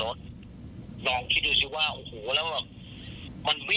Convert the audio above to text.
ลองคิดดูสิว่าโอ้โหแล้วแบบ